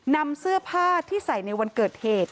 นำเสื้อผ้าที่ใส่ในวันเกิดเหตุ